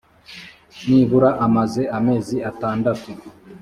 nibura amaze amezi atandatu